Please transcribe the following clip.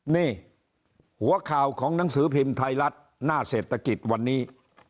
นี่หัวข่าวของหนังสือพิมพ์ไทยรัฐหน้าเศรษฐกิจวันนี้